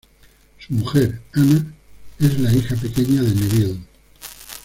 Su mujer, Ana, en la hija pequeña de Neville.